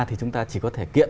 thì chúng ta chỉ có thể kiện